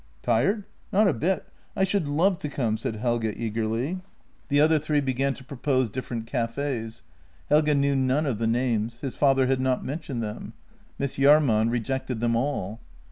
" Tired, not a bit. I should love to come," said Helge eag erly. 20 JENNY The other three began to propose different cafes. Helge knew none of the names; his father had not mentioned them. Miss Jahrman rejected them all.